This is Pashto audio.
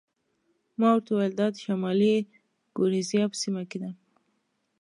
ما ورته وویل: دا د شمالي ګوریزیا په سیمه کې ده.